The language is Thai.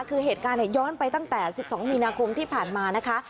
คือเหตุการณ์ย้อนไปตั้งแต่๑๒มีนาคมที่ผ่านมานะคะ